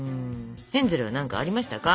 ヘンゼルは何かありましたか？